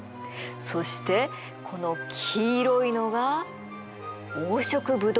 そしてこの黄色いのが黄色ブドウ球菌。